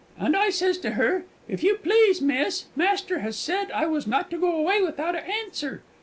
And I sez to her, 'If you please, miss, master said as I was not to go away without a answer.'